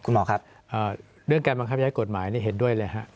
คุณหมอครับเรื่องการบังคับใช้กฎหมายนี่เห็นด้วยเลยฮะ